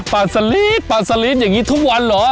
ปาซาลิสปาซาลิสเองงงงี้ทุกวันหรอ